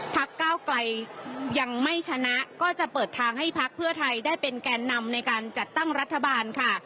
ก้าวไกลยังไม่ชนะก็จะเปิดทางให้พักเพื่อไทยได้เป็นแกนนำในการจัดตั้งรัฐบาลค่ะ